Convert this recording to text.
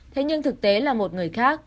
thế nhưng thực tế là một người khác